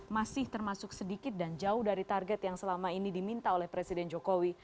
sepuluh lima ratus tiga puluh enam masih termasuk sedikit dan jauh dari target yang selama ini diminta oleh presiden jokowi